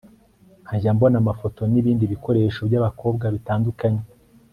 nkajya mbona amafoto nibindi bikoresho byabakobwa bitandukanye